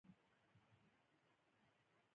کلتوري انقلاب پر مهال هېچا دا اټکل نه شوای کولای.